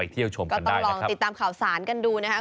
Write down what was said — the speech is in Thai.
ติดตามข่าวสารกันดูนะครับ